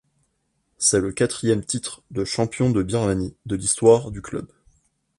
C'est le quatrième titre de champion de Birmanie de l'histoire du club.